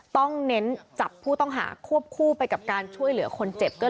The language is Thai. เน้นจับผู้ต้องหาควบคู่ไปกับการช่วยเหลือคนเจ็บ